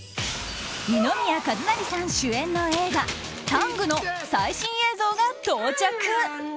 二宮和也さん主演の映画「ＴＡＮＧタング」の最新映像が到着。